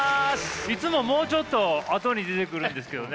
いつももうちょっとあとに出てくるんですけどね。